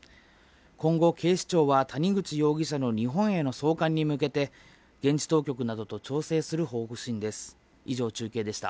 今後、警視庁は、谷口容疑者の日本への送還に向けて、現地当局などと調整する方針です。